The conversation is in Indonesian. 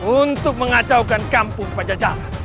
untuk mengacaukan kampung pajajaran